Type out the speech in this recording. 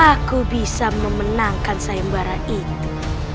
aku bisa memenangkan sayang bara itu